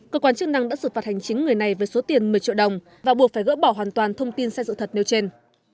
cơ quan chức năng đã xử phạt hành chính người này với số tiền một mươi triệu đồng và buộc phải gỡ bỏ hoàn toàn thông tin sai sự thật nêu trên